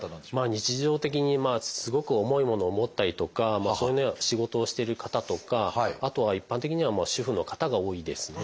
日常的にすごく重いものを持ったりとかそういうような仕事をしてる方とかあとは一般的には主婦の方が多いですね。